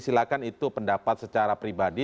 silahkan itu pendapat secara pribadi